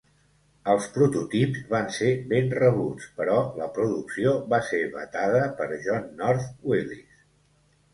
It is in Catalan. Els prototips van ser ben rebuts, però la producció va ser vetada per John North Willys.